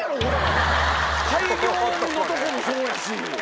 改行のとこもそうやし。